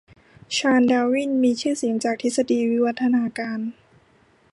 ชาลส์ ดาร์วิน มีชื่อเสียงจากทฤษฎีวิวัฒนาการ